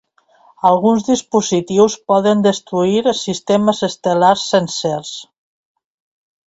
Alguns dispositius poden destruir sistemes estel·lars sencers.